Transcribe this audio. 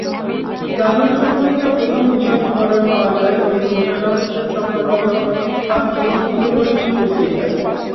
লালন সম্পর্কে প্রথম বিশদ বিবরণ পাওয়া যায় মীর মশাররফ হোসেন-সম্পাদিত পাক্ষিক হিতকরী পত্রিকায়।